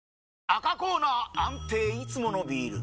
赤コーナー安定いつものビール！